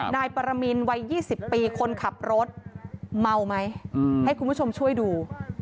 นายปรมินวัย๒๐ปีคนขับรถเมาไหมให้คุณผู้ชมช่วยดู